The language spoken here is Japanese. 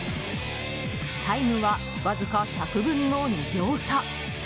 タイムはわずか１００分の２秒差。